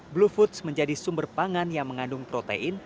blue foods menjadi sumber pangan yang mengandung protein